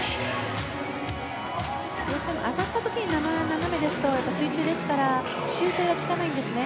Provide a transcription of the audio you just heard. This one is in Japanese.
どうしても上がった時に斜めですと水中ですから修正がきかないんですね。